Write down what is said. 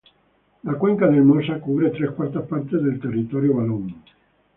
La cuenca del Mosa cubre tres cuartas partes del territorio valón.